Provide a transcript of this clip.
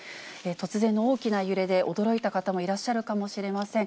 突然の大きな揺れで驚いた方もいらっしゃるかもしれません。